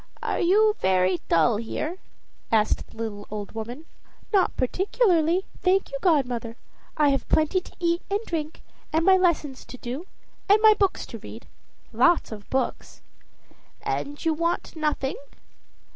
"Are you very dull here?" asked the little old woman. "Not particularly, thank you, godmother. I have plenty to eat and drink, and my lessons to do, and my books to read lots of books." "And you want nothing?"